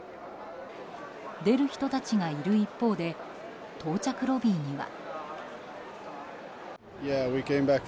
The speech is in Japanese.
出る人たちがいる一方で到着ロビーには。